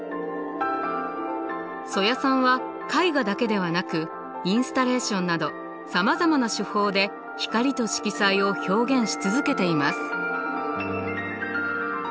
曽谷さんは絵画だけではなくインスタレーションなどさまざまな手法で光と色彩を表現し続けています。